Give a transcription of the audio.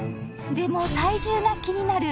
でも体重が気になる